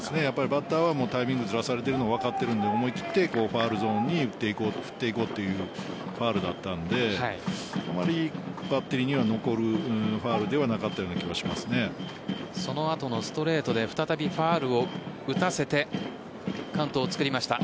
バッターはタイミングずらされているのが分かっているので思い切ってファウルゾーンに振っていこうというファウルだったのであまりバッテリーには残るファウルではその後のストレートで再びファウルを打たせてカウントをつくりました